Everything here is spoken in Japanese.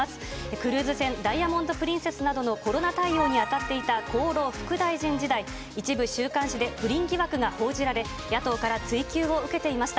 クルーズ船、ダイヤモンド・プリンセスなどのコロナ対応に当たっていた厚労副大臣時代、一部週刊誌で不倫疑惑が報じられ、野党から追及を受けていました。